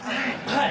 はい！